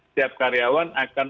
setiap karyawan akan